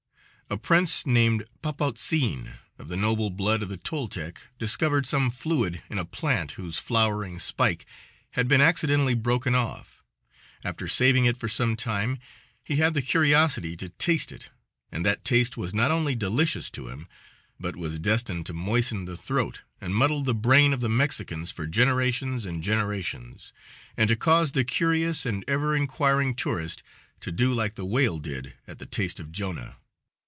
A prince named Papautzin, of the noble blood of the Toltec, discovered some fluid in a plant whose flowering spike had been accidentally broken off. After saving it for some time, he had the curiosity to taste it, and that taste was not only delicious to him, but was destined to moisten the throat and muddle the brain of the Mexicans for generations and generations, and to cause the curious and ever inquiring tourist to do like the whale did at the taste of Jonah.